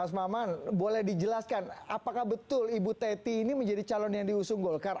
mas maman boleh dijelaskan apakah betul ibu teti ini menjadi calon yang diusung golkar